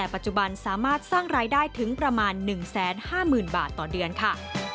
ปัจจุบันสามารถสร้างรายได้ถึงประมาณ๑๕๐๐๐บาทต่อเดือนค่ะ